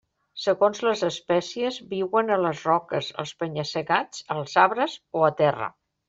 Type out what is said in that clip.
Segons les espècies, viuen a les roques, als penya-segats, als arbres o a terra.